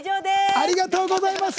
ありがとうございます！